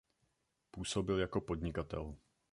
Působil jako podnikatel.